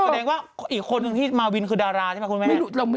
แสดงว่าอีกคนนึงที่มาวินคือดาราใช่ไหมคุณแม่